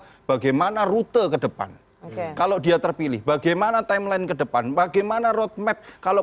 bagaimana rute ke depan kalau dia terpilih bagaimana timeline ke depan bagaimana roadmap kalau